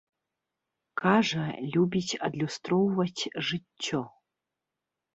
Кажа, любіць адлюстроўваць жыццё.